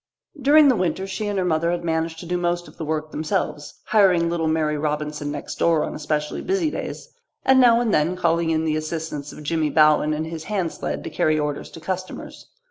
During the winter she and her mother had managed to do most of the work themselves, hiring little Mary Robinson next door on especially busy days, and now and then calling in the assistance of Jimmy Bowen and his hand sled to carry orders to customers.